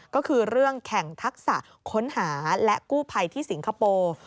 ก็คือเรื่องแข่งทักษะค้นหาและกู้ภัยที่สิงคโปร์